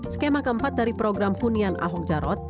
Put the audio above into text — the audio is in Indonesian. skema keempat dari program hunian ahok jarot